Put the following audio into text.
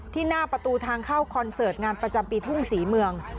หน้าประตูทางเข้าคอนเสิร์ตงานประจำปีทุ่งศรีเมือง